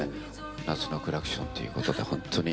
「夏のクラクション」ということで。